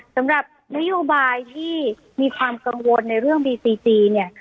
สำหรับนโยบายที่มีความกังวลในเรื่องบีซีจีเนี่ย